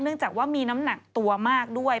จากว่ามีน้ำหนักตัวมากด้วย